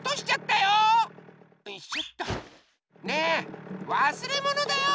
ねえわすれものだよ！